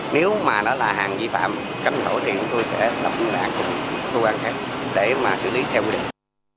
nếu mà nó là hàng dị phạm cánh thổ thì tôi sẽ đọc vấn đảng của cơ quan khác để mà xử lý theo quy định